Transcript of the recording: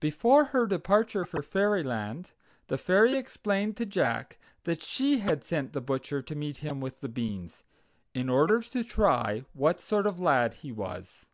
Before her departure for fairyland, the Fairy explained to Jack that she had sent the butcher to meet him with the beans, in order to try what sort of lad he was.